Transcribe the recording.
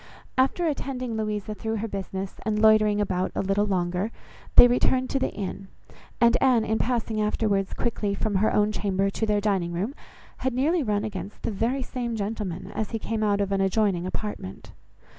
After attending Louisa through her business, and loitering about a little longer, they returned to the inn; and Anne, in passing afterwards quickly from her own chamber to their dining room, had nearly run against the very same gentleman, as he came out of an adjoining apartment.